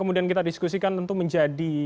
kemudian kita diskusikan tentu menjadi